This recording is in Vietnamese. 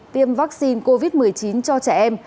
tiêm vaccine covid một mươi chín cho trẻ em